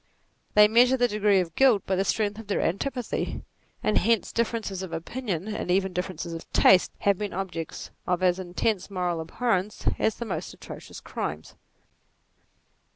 They measure the degree of guilt by the strength of their antipathy ; and hence differences of opinion, and even differences of taste, have been objects of as intense moral abhorrence as the most atrocious crimes.